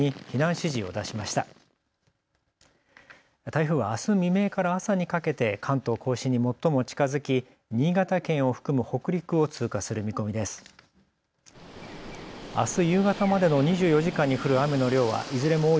台風はあす未明から朝にかけて関東甲信に最も近づき、新潟県を含む北陸を通過する見込みです。